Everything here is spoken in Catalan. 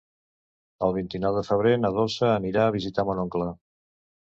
El vint-i-nou de febrer na Dolça anirà a visitar mon oncle.